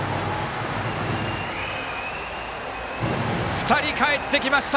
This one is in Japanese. ２人かえってきました！